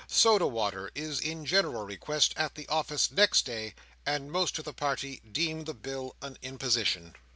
Soda water is in general request at the office next day, and most of the party deem the bill an imposition.